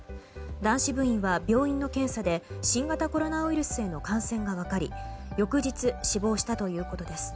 男子部員は病院の検査で新型コロナウイルスへの感染が分かり翌日、死亡したということです。